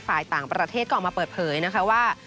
ฝ่ายต่างประเทศก็ออกมาเปิดเผยนะคะว่า